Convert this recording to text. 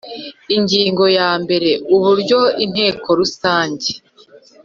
Ingingo ya mbere Uburyo Inteko Rusange